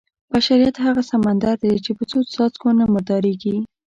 بشریت هغه سمندر دی چې په څو څاڅکو نه مردارېږي.